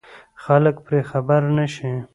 خلک پرې خبر نه شي.